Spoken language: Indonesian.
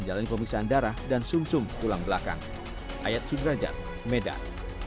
menjalani pemiksaan darah dan sum sum pulang belakang ayat sudraja medan